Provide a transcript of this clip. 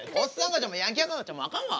赤ちゃんもヤンキー赤ちゃんもあかんわ。